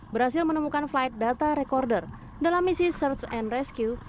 berhasil menemukan flight data recorder dalam misi search and rescue